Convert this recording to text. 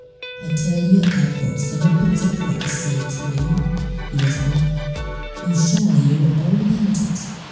"I tell you I've got summat particklar to say to you," he whispered. "You shall hear all about it.